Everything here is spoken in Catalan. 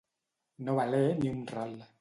No valer ni un ral.